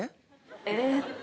ええっと。